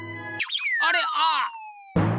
あれああ！